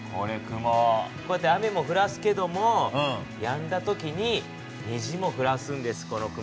こうやって雨もふらすけどもやんだ時ににじもふらすんですこの雲は。